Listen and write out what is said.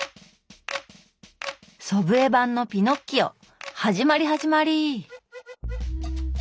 祖父江版の「ピノッキオ」始まり始まり。